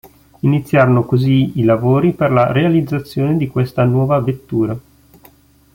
Iniziarono così i lavori per la realizzazione di questa nuova vettura.